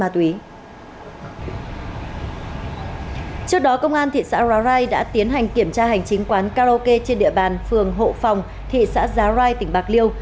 trước đó công an thị xã rai đã tiến hành kiểm tra hành chính quán karaoke trên địa bàn phường hộ phòng thị xã giá rai tỉnh bạc liêu